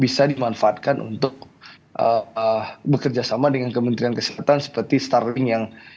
bisa dimanfaatkan untuk bekerjasama dengan kementerian kesehatan seperti starling yang